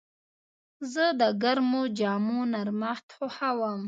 زه د ګرمو جامو نرمښت خوښوم.